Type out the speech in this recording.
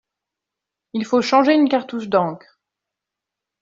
Il faut changer une cartouche d'encre.